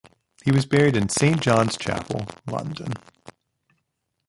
He was buried in Saint John's Chapel, London.